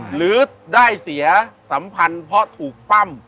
หรือได้เสียสัมพันธ์เพราะถูกปั้ม